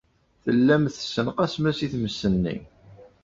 Tellam tessenqasem-as i tmes-nni.